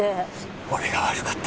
俺が悪かった。